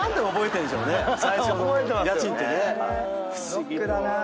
ロックだな。